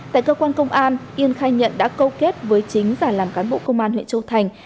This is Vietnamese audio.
tại cơ quan công an yên khai nhận đã câu kết với chính và làm cán bộ công an huyện châu thành